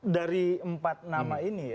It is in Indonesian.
dari empat nama ini